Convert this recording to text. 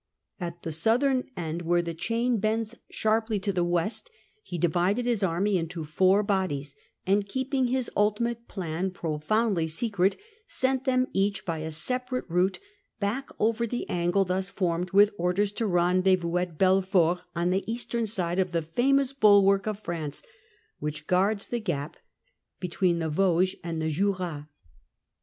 At the southern end, where the chain bends sharply to the west, he divided The Vosges his army into four bodies, and, keeping his ulti December mate plan profoundly secret, sent them each by 1674. a separate route back over the angle thus formed, with orders to rendezvous at Belfort on the eastern side, the famous bulwark of France which guards the gap between the Vosges and the Jura.